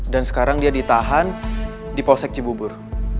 dan sekarang dia ditahan di polsek cibubur